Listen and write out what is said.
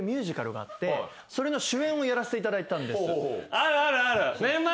あるあるある！